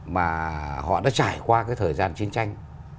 mà họ đã trải qua cái thời gian chiến tranh